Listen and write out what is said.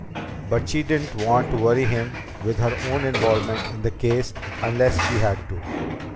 But she didn't want to worry him with her own involvement in the case unless she had to.